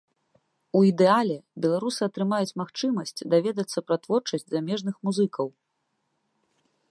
У ідэале беларусы атрымаюць магчымасць даведацца пра творчасць замежных музыкаў.